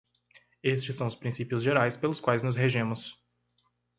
Estes são os princípios gerais pelos quais nos regemos.